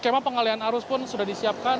jalan pun sudah disiapkan